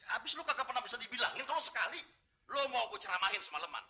abis lu kagak bisa dibilangin kau sekali lu mau ceramahin semaleman